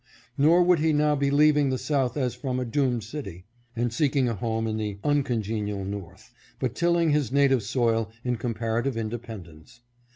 Nor would he now be leaving the South as from a doomed city, and seeking a home in the uncongenial North, but tilling his native soil in compara tive independence.